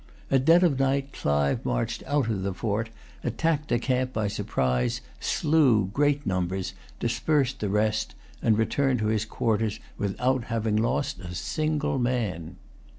At dead of night, Clive marched out of the fort, attacked the camp by surprise, slew great numbers, dispersed the rest, and returned to his quarters without having lost a single man.